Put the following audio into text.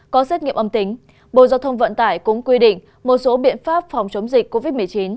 có xét nghiệm âm tính bộ giao thông vận tải cũng quy định một số biện pháp phòng chống dịch covid một mươi chín